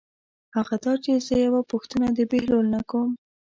هغه دا چې زه یوه پوښتنه د بهلول نه کوم.